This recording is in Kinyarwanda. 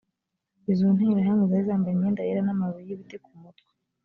izo nterahamwe zari zambaye imyenda yera n’amababi y ibiti ku mutwe